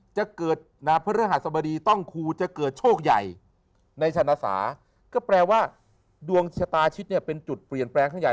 จะเกิดพระฤหัสบดีต้องครูจะเกิดโชคใหญ่ในชนะสาก็แปลว่าดวงชะตาชิดเนี่ยเป็นจุดเปลี่ยนแปลงข้างใหญ่